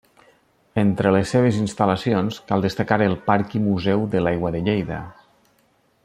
Entre les seves instal·lacions, cal destacar el Parc i Museu de l'aigua de Lleida.